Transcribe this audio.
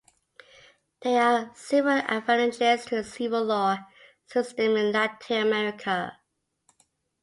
There are several advantages to the civil law system in Latin America.